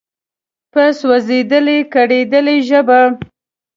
په سوزیدلي، کړیدلي ژبه